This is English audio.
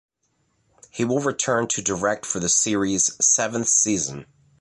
He will return to direct for the series' seventh season.